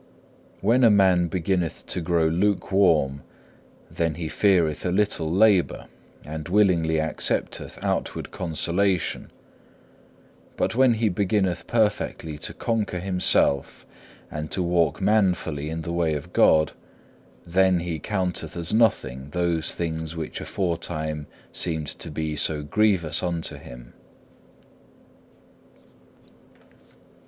3. When a man beginneth to grow lukewarm, then he feareth a little labour, and willingly accepteth outward consolation; but when he beginneth perfectly to conquer himself and to walk manfully in the way of God, then he counteth as nothing those things which aforetime seemed to be so grievous unto him.